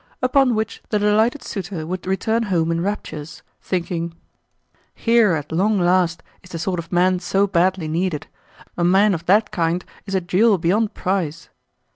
Upon which the delighted suitor would return home in raptures, thinking: "Here, at long last, is the sort of man so badly needed. A man of that kind is a jewel beyond price."